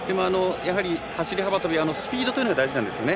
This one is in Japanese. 走り幅跳びはスピードが大事なんですよね。